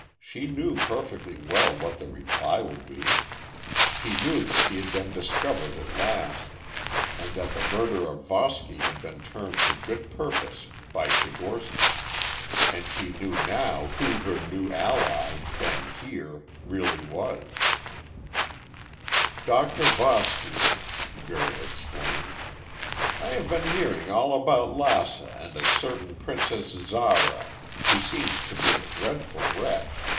She knew perfectly well what the reply would be; she knew that she had been discovered at last, and that the murder of Voski had been turned to good purpose by Tchigorsky. And she knew now who her new ally, Ben Heer, really was. "Dr. Voski," Vera explained. "I have been hearing all about Lassa and a certain Princess Zara, who seems to be a dreadful wretch.